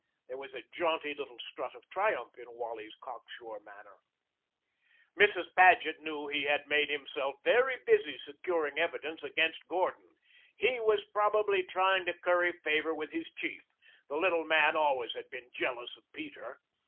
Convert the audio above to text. There was a jaunty little strut of triumph in Wally's cock sure manner. Mrs. Paget knew he had made himself very busy securing evidence against Gordon. He was probably trying to curry favor with his chief. The little man always had been jealous of Peter.